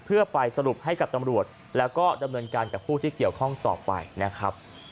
เพื่อไปสรุปให้กับตำรวจแล้วก็ดำเนินการกับผู้ที่เกี่ยวข้องต่อไปนะครับ